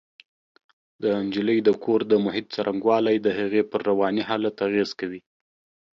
د نجلۍ د کور د محیط څرنګوالی د هغې پر رواني حالت اغېز کوي